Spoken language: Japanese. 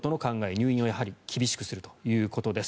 入院を厳しくするということです。